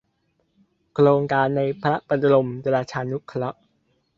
โครงการในพระบรมราชานุเคราะห์